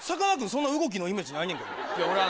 そんな動きのイメージないねんけど。